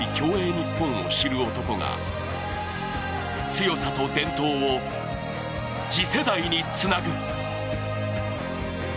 日本を知る男が強さと伝統を次世代につなぐ。